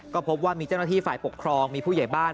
ก็พบว่ามีเจ้าหน้าที่ฝ่ายปกครองมีผู้ใหญ่บ้าน